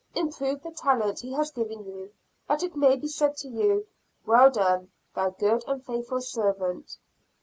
Improve the talent He has given you, that it may be said to you, "Well done, thou good and faithful servant."